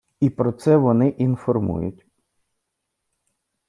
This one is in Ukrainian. І про це вони інформують.